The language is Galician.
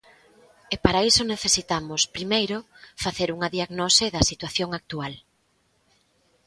E para iso necesitamos, primeiro, facer unha diagnose da situación actual.